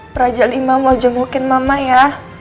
peraja imam mau jengukin mama ya